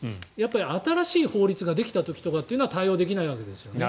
新しい法律ができた時というのは対応できないわけですね。